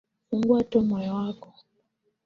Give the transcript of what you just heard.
Fungua tu moyo wako